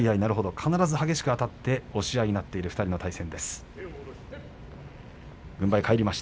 必ず、激しくあたって押し合いになっている２人の対戦。